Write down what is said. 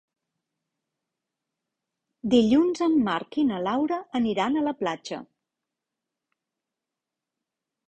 Dilluns en Marc i na Laura aniran a la platja.